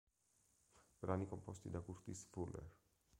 Brani composti da Curtis Fuller